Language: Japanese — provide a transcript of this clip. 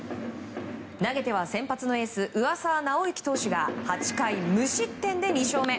投げては先発のエース上沢直之投手が８回無失点で２勝目。